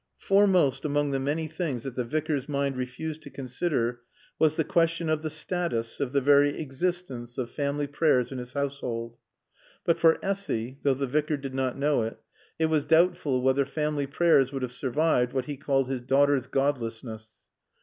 Foremost among the many things that the Vicar's mind refused to consider was the question of the status, of the very existence, of family prayers in his household. But for Essy, though the Vicar did not know it, it was doubtful whether family prayers would have survived what he called his daughters' godlessness.